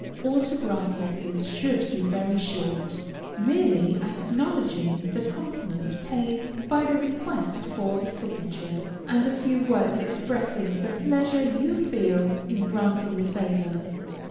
AUTOGRAPH LETTERS should be very short; merely acknowledging the compliment paid by the request for the signature, and a few words expressing the pleasure you feel in granting the favor.